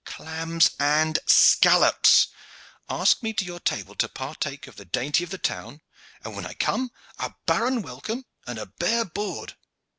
Clams and scallops! Ask me to your table to partake of the dainty of the town, and when I come a barren welcome and a bare board!